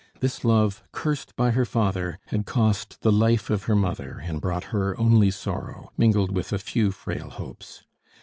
This love, cursed by her father, had cost the life of her mother and brought her only sorrow, mingled with a few frail hopes.